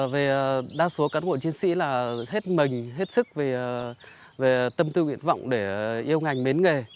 về đa số cán bộ chiến sĩ là hết mình hết sức về tâm tư nguyện vọng để yêu ngành mến nghề